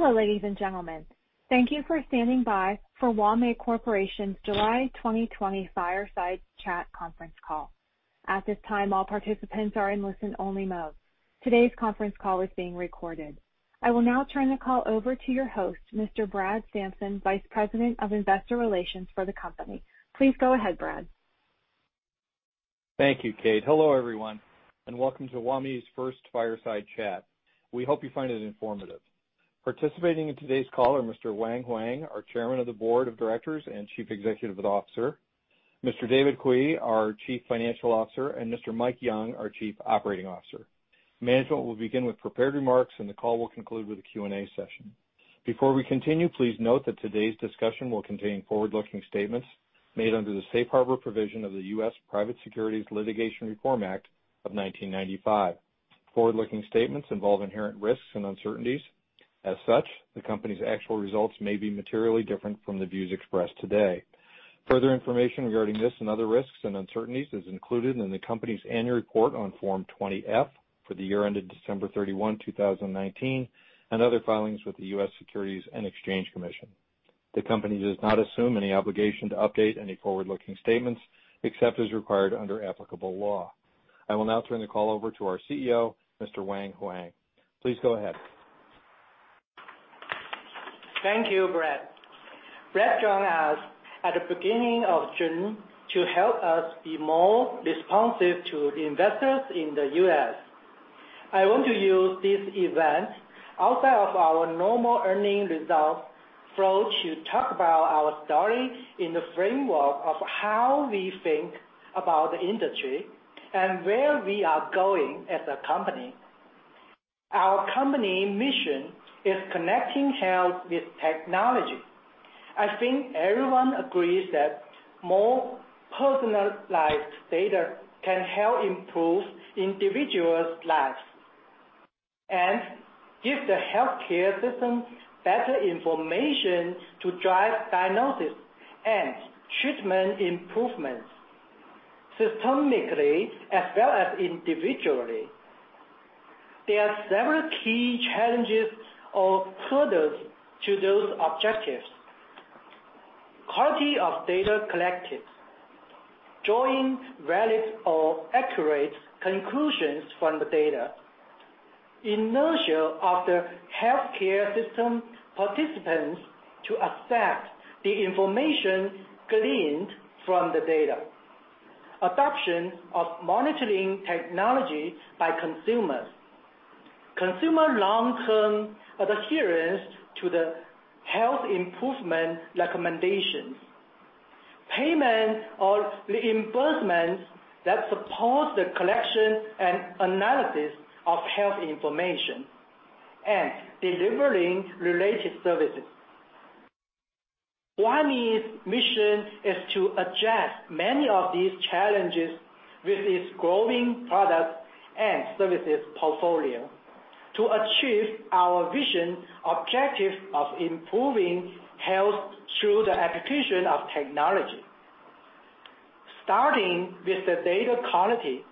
Hello, ladies and gentlemen. Thank you for standing by for Huami Corporation's July 2020 Fireside Chat conference call. At this time, all participants are in listen-only mode. Today's conference call is being recorded. I will now turn the call over to your host, Mr. Brad Samson, Vice President of Investor Relations for the company. Please go ahead, Brad. Thank you, Kate. Hello, everyone, welcome to Zepp Health's first Fireside Chat. We hope you find it informative. Participating in today's call are Mr. Wang Huang, our Chairman of the Board of Directors and Chief Executive Officer, Mr. David Cui, our Chief Financial Officer, and Mr. Mike Yeung, our Chief Operating Officer. Management will begin with prepared remarks, the call will conclude with a Q&A session. Before we continue, please note that today's discussion will contain forward-looking statements made under the Safe Harbor provision of the U.S. Private Securities Litigation Reform Act of 1995. Forward-looking statements involve inherent risks and uncertainties. The company's actual results may be materially different from the views expressed today. Further information regarding this and other risks and uncertainties is included in the company's annual report on Form 20-F for the year ended December 31, 2019, and other filings with the U.S. Securities and Exchange Commission. The company does not assume any obligation to update any forward-looking statements except as required under applicable law. I will now turn the call over to our CEO, Mr. Wang Huang. Please go ahead. Thank you, Brad. Brad joined us at the beginning of June to help us be more responsive to investors in the U.S. I want to use this event outside of our normal earning results flow to talk about our story in the framework of how we think about the industry and where we are going as a company. Our company mission is connecting health with technology. I think everyone agrees that more personalized data can help improve individuals' lives and give the healthcare system better information to drive diagnosis and treatment improvements systemically as well as individually. There are several key challenges or hurdles to those objectives. Quality of data collected, drawing valid or accurate conclusions from the data, inertia of the healthcare system participants to accept the information gleaned from the data, adoption of monitoring technology by consumers, consumer long-term adherence to the health improvement recommendations, payment or reimbursements that support the collection and analysis of health information, and delivering related services. Zepp Health's mission is to address many of these challenges with its growing product and services portfolio to achieve our vision objective of improving health through the application of technology. Starting with the data quality,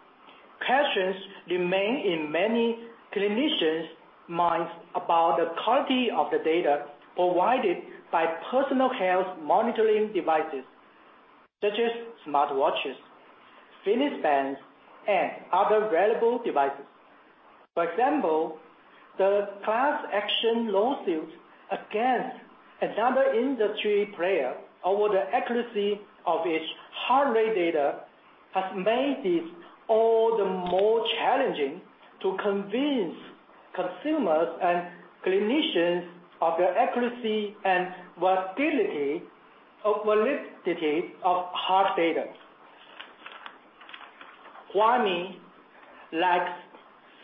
questions remain in many clinicians' minds about the quality of the data provided by personal health monitoring devices such as smartwatches, fitness bands, and other wearable devices. For example, the class action lawsuit against another industry player over the accuracy of its heart rate data has made it all the more challenging to convince consumers and clinicians of the accuracy and validity of heart data. Huami, like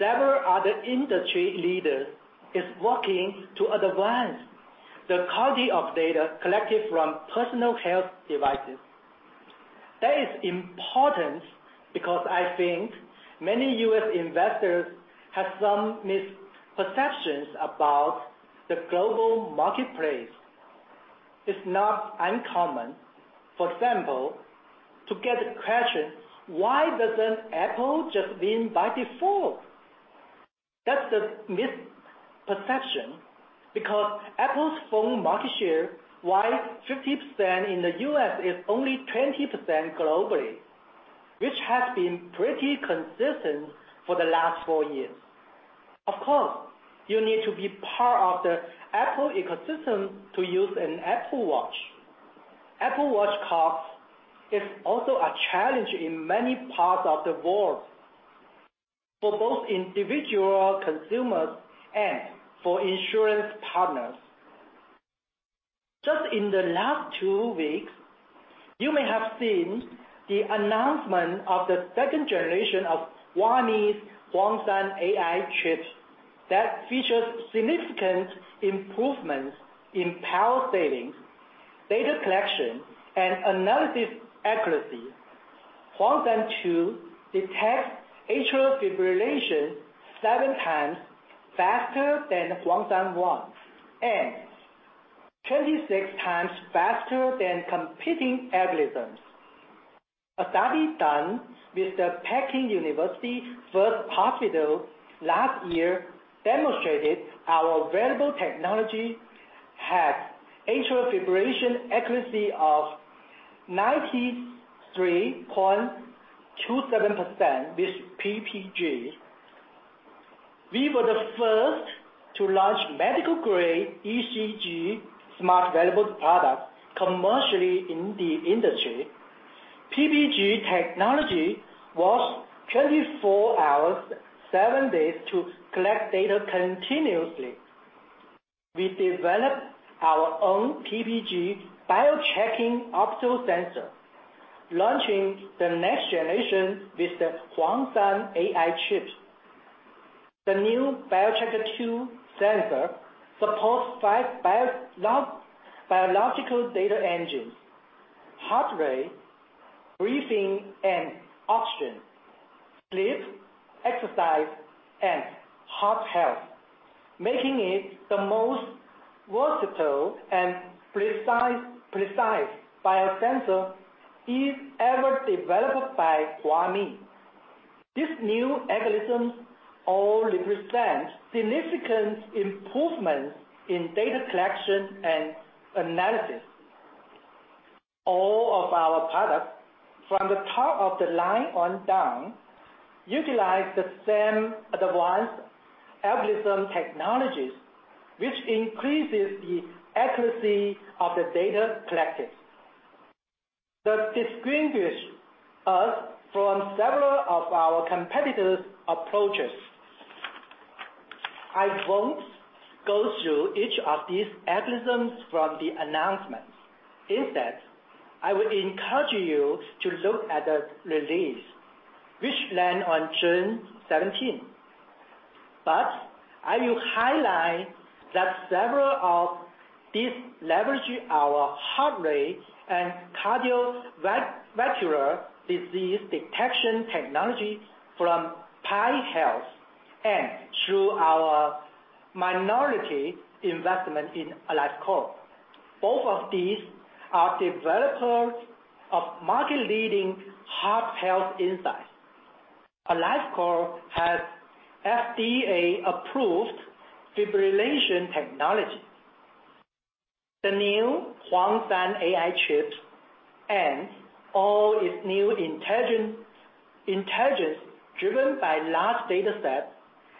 several other industry leaders, is working to advance the quality of data collected from personal health devices. That is important because I think many U.S. investors have some misperceptions about the global marketplace. It's not uncommon, for example, to get the question: Why doesn't Apple just win by default? That's a misperception because Apple's phone market share, while 50% in the U.S., is only 20% globally, which has been pretty consistent for the last four years. Of course, you need to be part of the Apple ecosystem to use an Apple Watch. Apple Watch cost is also a challenge in many parts of the world for both individual consumers and for insurance partners. Just in the last two weeks, you may have seen the announcement of the second generation of Huami's Huangshan AI chip that features significant improvements in power savings, data collection, and analysis accuracy. Huangshan 2 detects atrial fibrillation seven times faster than Huangshan 1, and 26 times faster than competing algorithms. A study done with the Peking University Third Hospital last year demonstrated our wearable technology had atrial fibrillation accuracy of 93.27% with PPG. We were the first to launch medical-grade ECG smart wearables product commercially in the industry. PPG technology works 24 hours, seven days to collect data continuously. We developed our own PPG BioTracker optical sensor, launching the next generation with the Huangshan AI chip. The new BioTracker 2 sensor supports five biological data engines, heart rate, breathing and oxygen, sleep, exercise, and heart health, making it the most versatile and precise biosensor is ever developed by Zepp Health. These new algorithms all represent significant improvements in data collection and analysis. All of our products, from the top of the line on down, utilize the same advanced algorithm technologies, which increases the accuracy of the data collected. That distinguish us from several of our competitors' approaches. I won't go through each of these algorithms from the announcements. Instead, I would encourage you to look at the release, which land on June 17. I will highlight that several of these leverage our heart rate and cardiovascular disease detection technology from PAI Health and through our minority investment in AliveCor. Both of these are developers of market-leading heart health insights. AliveCor has FDA-approved fibrillation technology. The new Huangshan AI chip and all its new intelligence driven by large dataset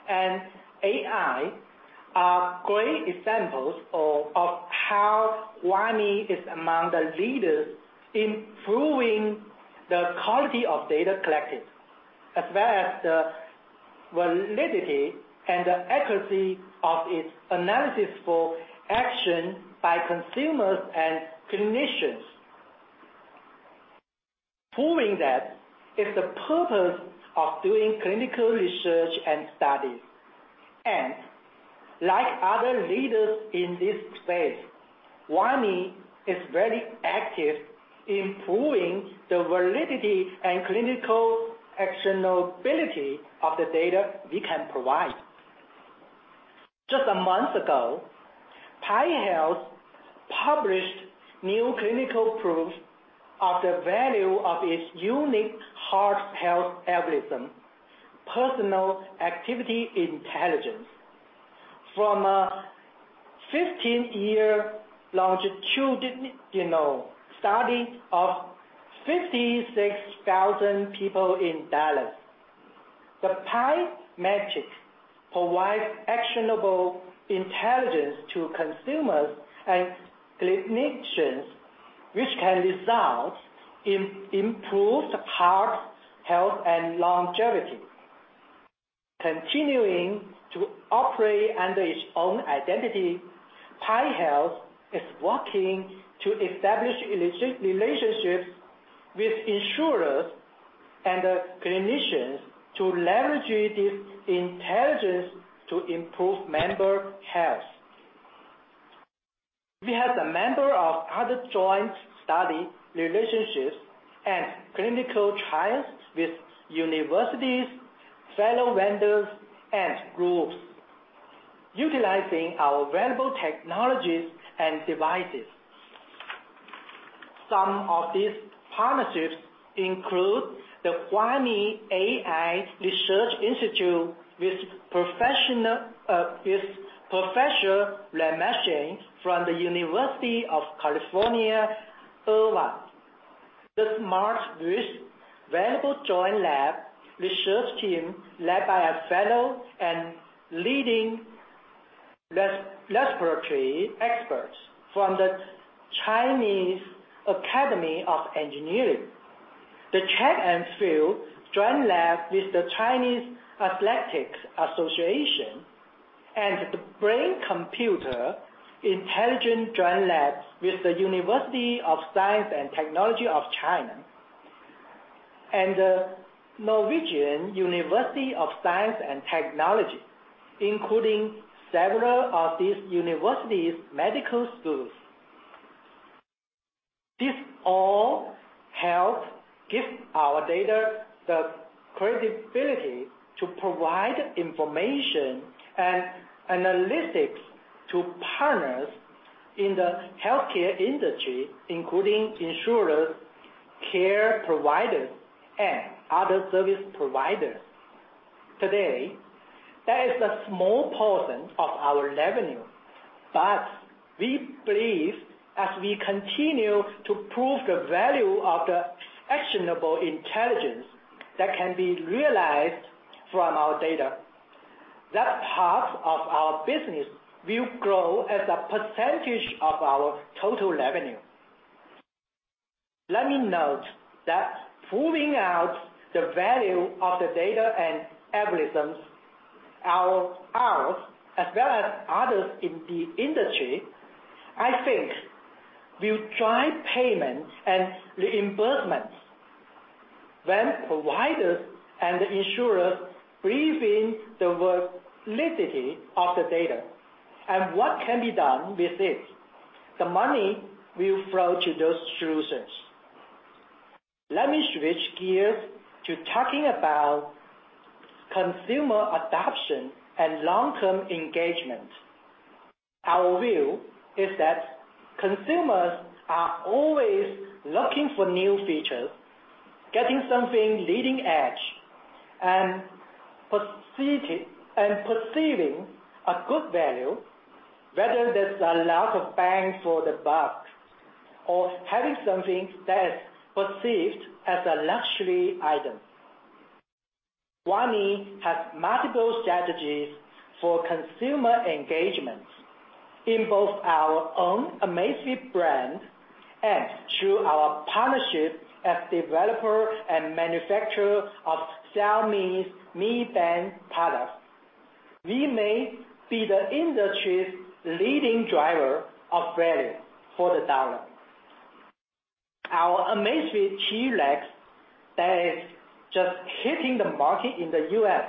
and AI are great examples of how Huami is among the leaders in improving the quality of data collected, as well as the validity and the accuracy of its analysis for action by consumers and clinicians. Proving that is the purpose of doing clinical research and studies. Like other leaders in this space, Huami is very active in proving the validity and clinical actionability of the data we can provide. Just a month ago, PAI Health published new clinical proof of the value of its unique heart health algorithm, Personal Activity Intelligence, from a 15-year longitudinal study of 56,000 people in Dallas. The PAI metric provides actionable intelligence to consumers and clinicians, which can result in improved heart health and longevity. Continuing to operate under its own identity, PAI Health is working to establish relationships with insurers and clinicians to leverage this intelligence to improve member health. We have a number of other joint study relationships and clinical trials with universities, fellow vendors, and groups, utilizing our wearable technologies and devices. Some of these partnerships include the Huami AI Research Institute with Professor Lei Mingsheng from the University of California, Irvine. The Smart Ring Wearable Joint Lab research team led by a fellow and leading respiratory experts from the Chinese Academy of Engineering. The Track and Field Joint Lab with the Chinese Athletics Association, and the Brain Computer Intelligence Joint Lab with the University of Science and Technology of China, and the Norwegian University of Science and Technology, including several of these universities' medical schools. This all helps give our data the credibility to provide information and analytics to partners in the healthcare industry, including insurers, care providers, and other service providers. Today, that is a small portion of our revenue, but we believe as we continue to prove the value of the actionable intelligence that can be realized from our data, that part of our business will grow as a percentage of our total revenue. Let me note that proving out the value of the data and algorithms, ours as well as others in the industry, I think will drive payments and reimbursements. When providers and insurers believe in the validity of the data and what can be done with it, the money will flow to those solutions. Let me switch gears to talking about consumer adoption and long-term engagement. Our view is that consumers are always looking for new features, getting something leading edge, and perceiving a good value, whether that's a lot of bang for the buck or having something that's perceived as a luxury item. Huami has multiple strategies for consumer engagement in both our own Amazfit brand and through our partnership as developer and manufacturer of Xiaomi's Mi Band products. We may be the industry's leading driver of value for the dollar. Our Amazfit T-Rex that is just hitting the market in the U.S.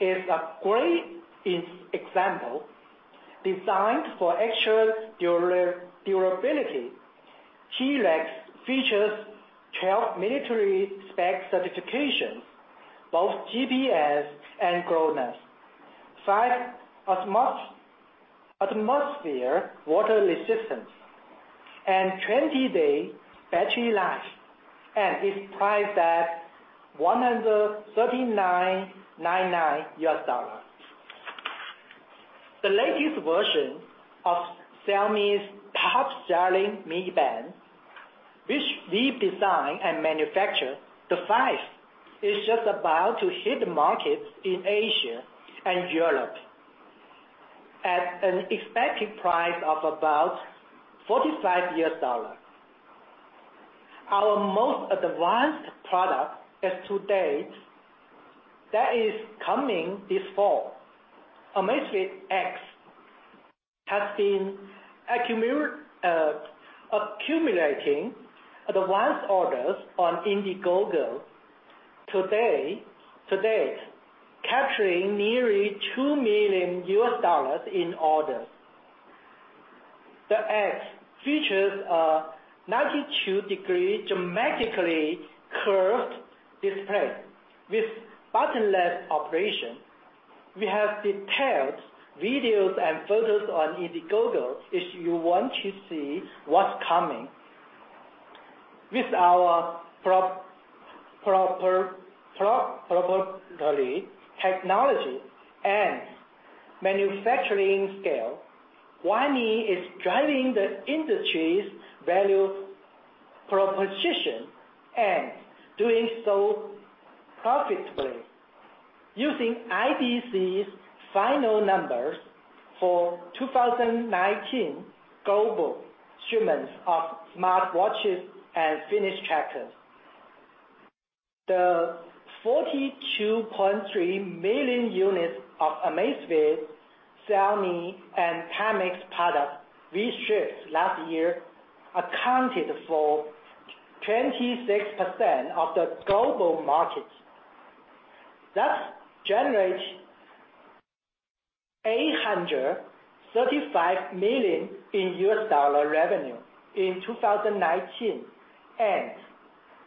is a great example. Designed for extra durability, T-Rex features 12 military spec certifications, both GPS and GLONASS, five atmosphere water resistance, and 20-day battery life, and is priced at $139.99. The latest version of Xiaomi's top-selling Mi Band, which we designed and manufacture, the 5, is just about to hit the markets in Asia and Europe at an expected price of about $45. Our most advanced product as to date, that is coming this fall. Amazfit X has been accumulating advance orders on Indiegogo to date, capturing nearly $2 million in orders. The X features a 92-degree dramatically curved display with buttonless operation. We have detailed videos and photos on Indiegogo if you want to see what's coming. With our proprietary technology and manufacturing scale, Huami is driving the industry's value proposition and doing so profitably. Using IDC's final numbers for 2019 global shipments of smartwatches and fitness trackers, the 42.3 million units of Amazfit, Xiaomi, and Pamix products we shipped last year accounted for 26% of the global market. That generated $835 million in revenue in 2019, and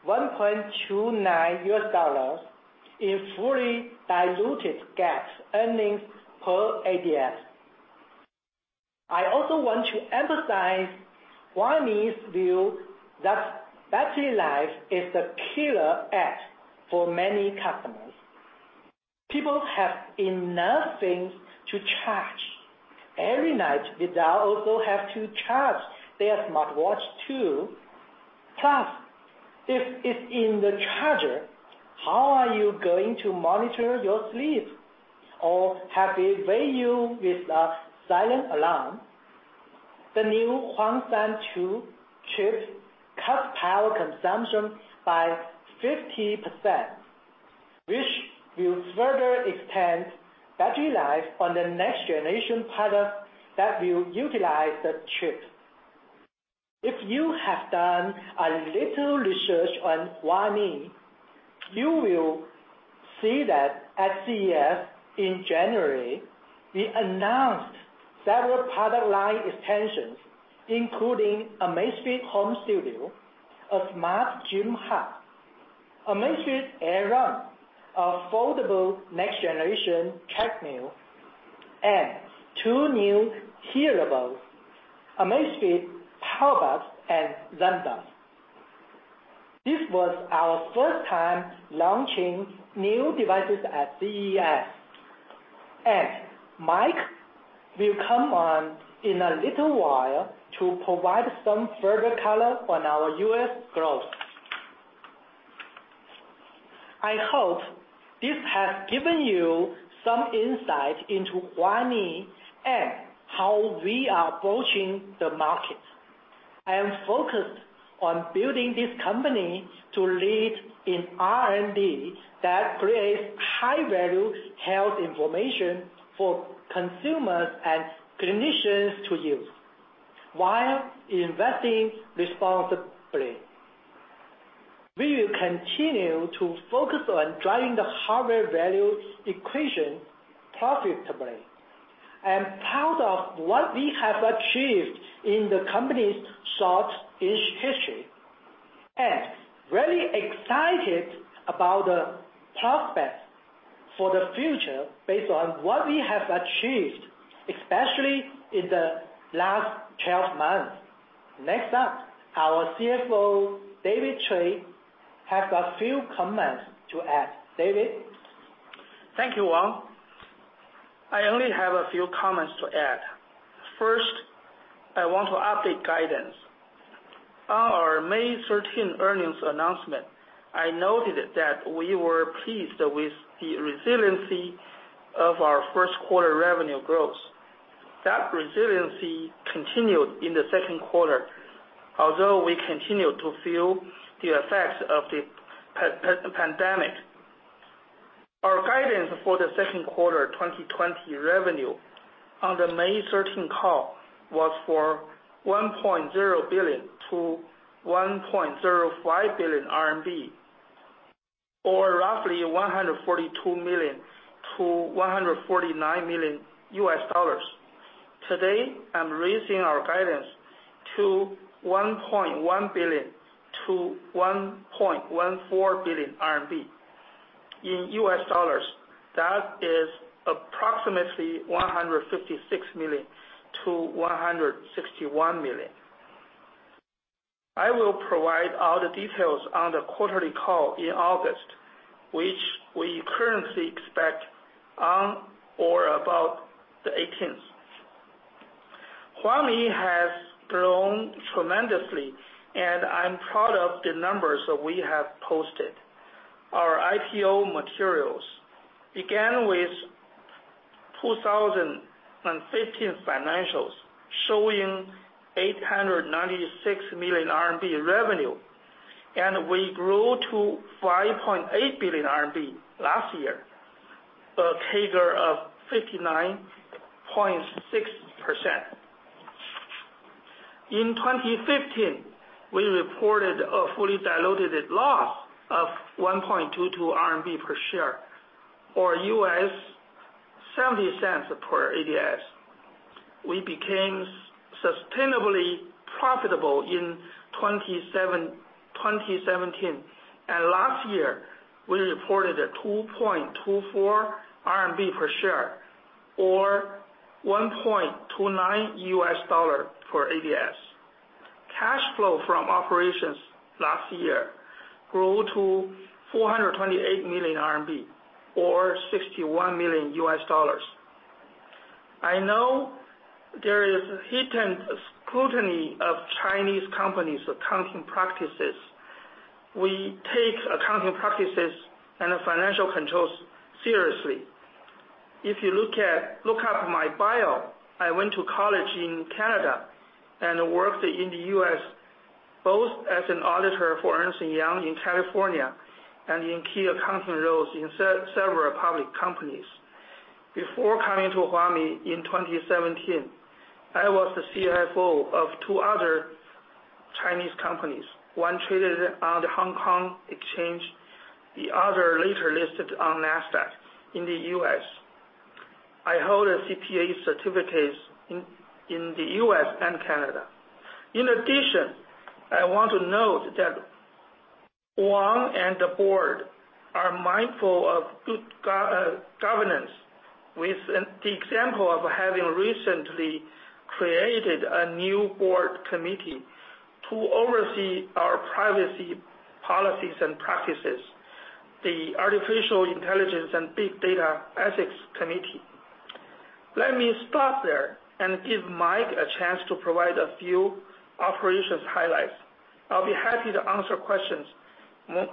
$1.29 in fully diluted GAAP earnings per ADS. I also want to emphasize Huami's view that battery life is the killer app for many customers. People have enough things to charge every night without also having to charge their smartwatch too. Plus, if it's in the charger, how are you going to monitor your sleep? Or have it wake you with a silent alarm? The new Huangshan 2 chip cuts power consumption by 50%, which will further extend battery life on the next generation product that will utilize the chip. If you have done a little research on Huami, you will see that at CES in January, we announced several product line extensions, including Amazfit Home Studio, a smart gym hub, Amazfit AirRun, a foldable next generation treadmill, and two new hearables, Amazfit PowerBuds and ZenBuds. This was our first time launching new devices at CES. Mike will come on in a little while to provide some further color on our U.S. growth. I hope this has given you some insight into Huami and how we are approaching the market. I am focused on building this company to lead in R&D that creates high-value health information for consumers and clinicians to use, while investing responsibly. We will continue to focus on driving the hardware value equation profitably. I am proud of what we have achieved in the company's short-ish history, and very excited about the prospects for the future based on what we have achieved, especially in the last 12 months. Next up, our CFO, David Cui, has a few comments to add. David? Thank you, Wang. I only have a few comments to add. First, I want to update guidance. On our May 13 earnings announcement, I noted that we were pleased with the resiliency of our first quarter revenue growth. That resiliency continued in the second quarter, although we continue to feel the effects of the pandemic. Our guidance for the second quarter 2020 revenue on the May 13 call was for 1.0 billion to 1.05 billion RMB, or roughly $142 million to $149 million. Today, I'm raising our guidance to 1.1 billion to 1.14 billion RMB. In US dollars, that is approximately $156 million to $161 million. I will provide all the details on the quarterly call in August, which we currently expect on or about the 18th. Huami has grown tremendously, and I'm proud of the numbers that we have posted. Our IPO materials began with 2015 financials, showing 896 million RMB revenue, and we grew to 5.8 billion RMB last year, a CAGR of 59.6%. In 2015, we reported a fully diluted loss of 1.22 RMB per share, or $0.70 per ADS. We became sustainably profitable in 2017, and last year we reported 2.24 RMB per share, or $1.29 for ADS. Cash flow from operations last year grew to 428 million RMB, or $61 million U.S. I know there is heightened scrutiny of Chinese companies' accounting practices. We take accounting practices and financial controls seriously. If you look up my bio, I went to college in Canada and worked in the U.S., both as an auditor for Ernst & Young in California and in key accounting roles in several public companies. Before coming to Zepp Health in 2017, I was the CFO of two other Chinese companies. One traded on the Hong Kong Exchange, the other later listed on Nasdaq in the U.S. I hold CPA certificates in the U.S. and Canada. In addition, I want to note that Wang and the board are mindful of good governance, with the example of having recently created a new board committee to oversee our privacy policies and practices, the Artificial Intelligence and Big Data Ethics Committee. Let me stop there and give Mike a chance to provide a few operations highlights. I'll be happy to answer questions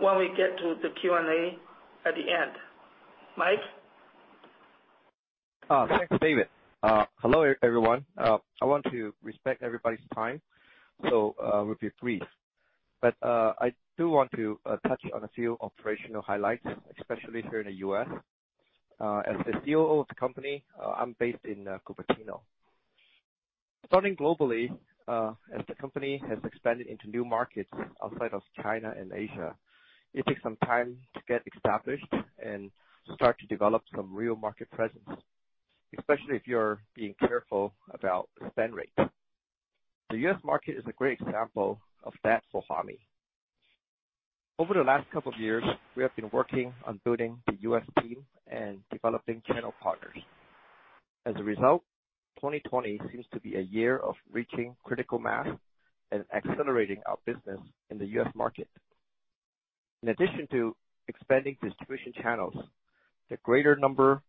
when we get to the Q&A at the end. Mike? Thanks, David Cui. Hello, everyone. I want to respect everybody's time, so we'll be brief. I do want to touch on a few operational highlights, especially here in the U.S. As the COO of the company, I'm based in Cupertino. Starting globally, as the company has expanded into new markets outside of China and Asia, it takes some time to get established and start to develop some real market presence, especially if you're being careful about the spend rate. The U.S. market is a great example of that for Huami. Over the last couple of years, we have been working on building the U.S. team and developing channel partners. As a result, 2020 seems to be a year of reaching critical mass and accelerating our business in the U.S. market. In addition to expanding distribution channels, the greater number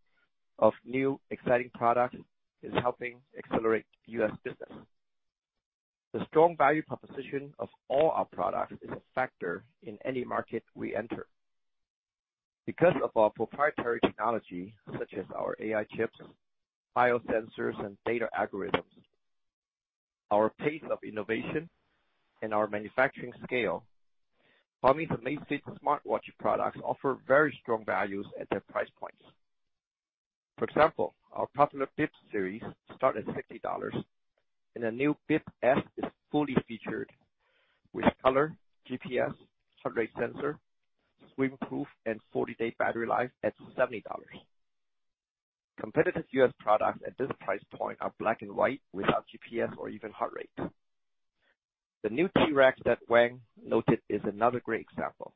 of new exciting product is helping accelerate U.S. business. The strong value proposition of all our products is a factor in any market we enter. Because of our proprietary technology, such as our AI chips, biosensors, and data algorithms, our pace of innovation, and our manufacturing scale, Zepp Health's Amazfit smartwatch products offer very strong values at their price points. For example, our popular Amazfit Bip series start at $50, and the new Amazfit Bip S is fully featured with color, GPS, heart rate sensor, swim proof, and 40-day battery life at $70. Competitive U.S. products at this price point are black and white without GPS or even heart rate. The new Amazfit T-Rex that Wang noted is another great example,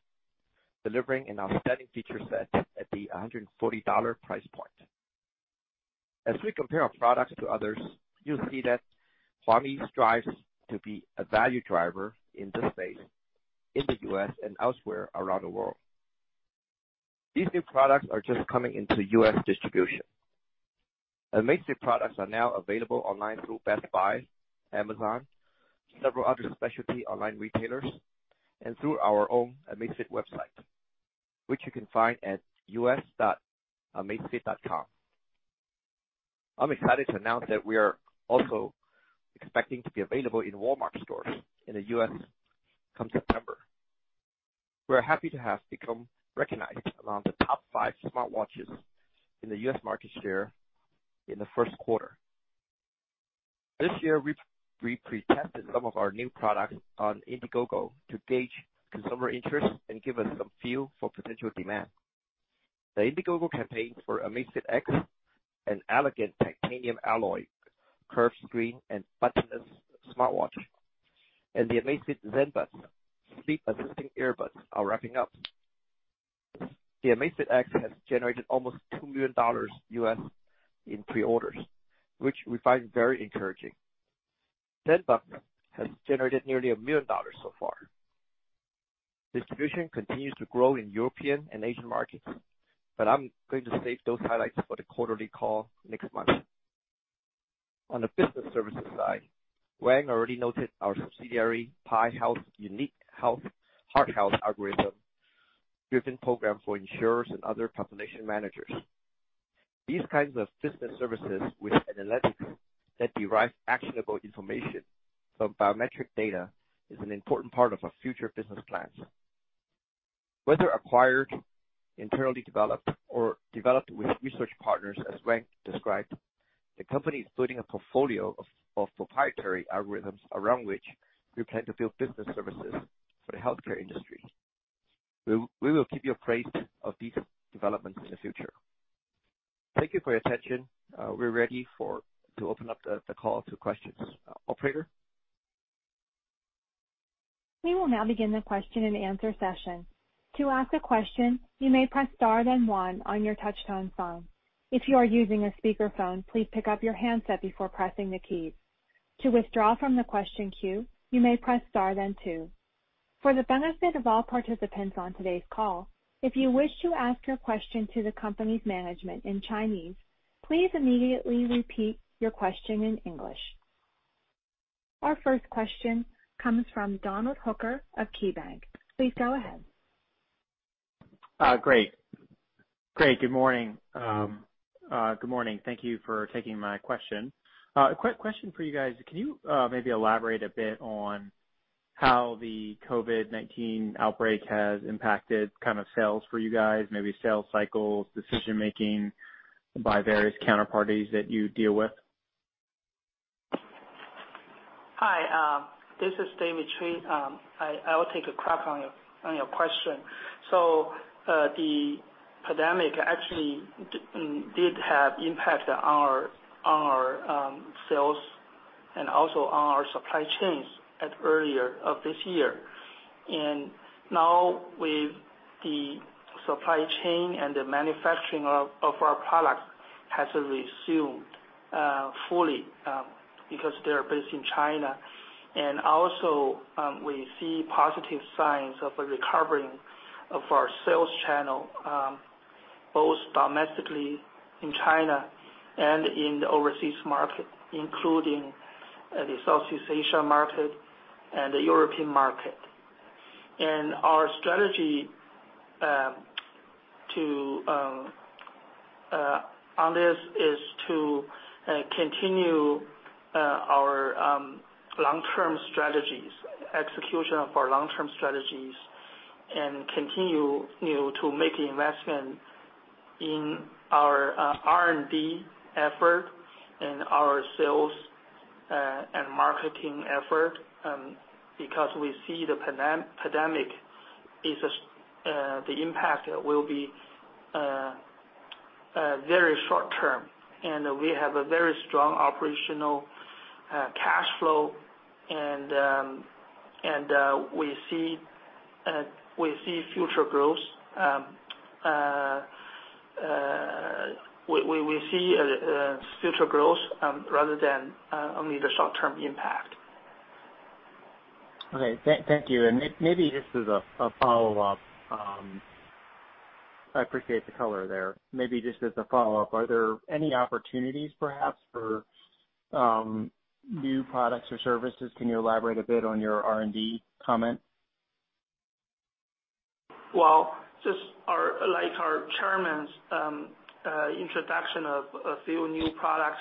delivering an outstanding feature set at the $140 price point. As we compare our products to others, you'll see that Zepp Health strives to be a value driver in this space, in the U.S. and elsewhere around the world. These new products are just coming into U.S. distribution. Amazfit products are now available online through Best Buy, Amazon, several other specialty online retailers, and through our own Amazfit website, which you can find at us.amazfit.com. I'm excited to announce that we are also expecting to be available in Walmart stores in the U.S. come September. We're happy to have become recognized among the top five smartwatches in the U.S. market share in the first quarter. This year, we pre-tested some of our new products on Indiegogo to gauge consumer interest and give us some feel for potential demand. The Indiegogo campaign for Amazfit X, an elegant titanium alloy, curved screen, and buttonless smartwatch, and the Amazfit Zenbuds sleep-assisting earbuds are wrapping up. The Amazfit X has generated almost $2 million in pre-orders, which we find very encouraging. Zenbuds has generated nearly $1 million so far. Distribution continues to grow in European and Asian markets, but I'm going to save those highlights for the quarterly call next month. On the business services side, Wang already noted our subsidiary, PAI Health's unique Heart Health algorithm-driven program for insurers and other population managers. These kinds of business services with analytics that derive actionable information from biometric data is an important part of our future business plans. Whether acquired, internally developed, or developed with research partners, as Wang described, the company is building a portfolio of proprietary algorithms around which we plan to build business services for the healthcare industry. We will keep you appraised of these developments in the future. Thank you for your attention. We're ready to open up the call to questions. Operator? We will now begin the question and answer session. To ask a question, you may press star then 1 on your touch-tone phone. If you are using a speakerphone, please pick up your handset before pressing the keys. To withdraw from the question queue, you may press star then 2. For the benefit of all participants on today's call, if you wish to ask your question to the company's management in Chinese, please immediately repeat your question in English. Our first question comes from Donald Hooker of KeyBanc. Please go ahead. Great. Good morning. Thank you for taking my question. A quick question for you guys. Can you maybe elaborate a bit on how the COVID-19 outbreak has impacted sales for you guys, maybe sales cycles, decision-making by various counterparties that you deal with? Hi, this is David Cui. I will take a crack on your question. The pandemic actually did have impact on our sales and also on our supply chains at earlier of this year. Now with the supply chain and the manufacturing of our products has resumed fully because they're based in China. Also, we see positive signs of a recovering of our sales channel, both domestically in China and in the overseas market, including the Southeast Asia market and the European market. Our strategy on this is to continue our long-term strategies, execution of our long-term strategies, and continue to make investment in our R&D effort and our sales and marketing effort, because we see the pandemic, the impact will be very short-term, and we have a very strong operational cash flow, and we see future growth rather than only the short-term impact. Okay. Thank you. Maybe just as a follow-up, I appreciate the color there. Maybe just as a follow-up, are there any opportunities perhaps for new products or services? Can you elaborate a bit on your R&D comment? Well, just like our Chairman's introduction of a few new products,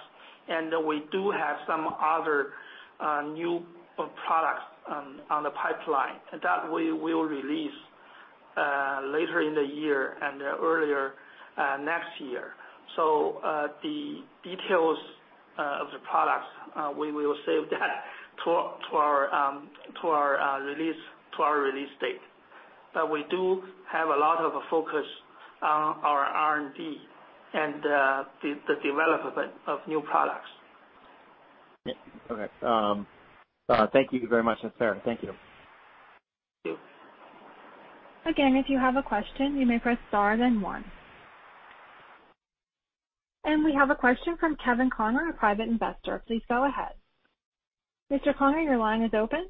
and we do have some other new products on the pipeline that we will release later in the year and earlier next year. The details of the products, we will save that to our release date. We do have a lot of focus on our R&D and the development of new products. Yeah. Okay. Thank you very much. That's fair. Thank you. Thank you. Again, if you have a question, you may press star then one. We have a question from Kevin Connor, a private investor. Please go ahead. Mr. Connor, your line is open.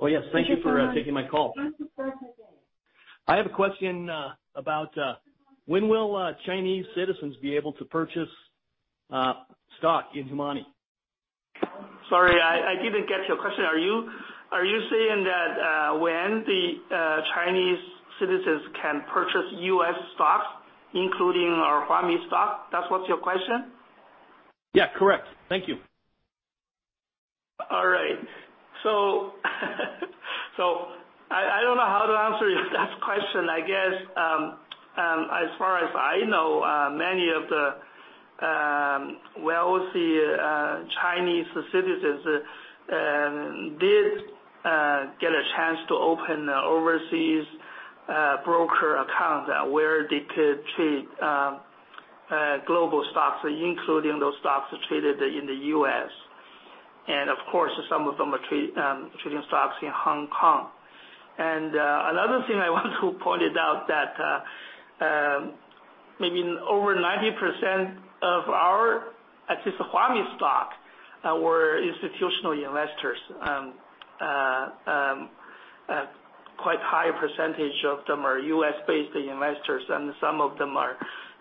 Yes. Thank you for taking my call. I have a question about when will Chinese citizens be able to purchase stock in Huami? Sorry, I didn't get your question. Are you saying that when the Chinese citizens can purchase U.S. stocks, including our Huami stock? That's what's your question? Yeah. Correct. Thank you. All right. I don't know how to answer that question. I guess, as far as I know, many of the wealthy Chinese citizens did get a chance to open overseas broker accounts where they could trade global stocks, including those stocks traded in the U.S. Of course, some of them are trading stocks in Hong Kong. Another thing I want to point it out that maybe over 90% of our, at least Huami stock, were institutional investors. Quite high percentage of them are U.S.-based investors, and some of them are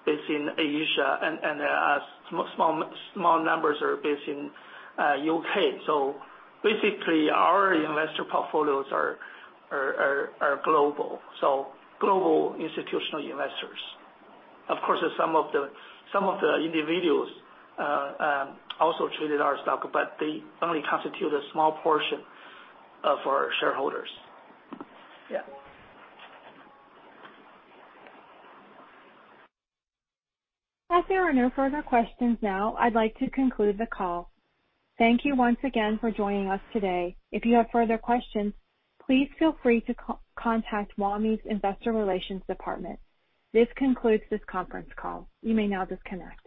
based in Asia, and small numbers are based in U.K. Basically, our investor portfolios are global. Global institutional investors. Of course, some of the individuals also traded our stock, but they only constitute a small portion of our shareholders. Yeah. There are no further questions now, I'd like to conclude the call. Thank you once again for joining us today. If you have further questions, please feel free to contact Zepp Health's investor relations department. This concludes this conference call. You may now disconnect.